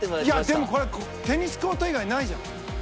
いやでもこれテニスコート以外ないじゃん。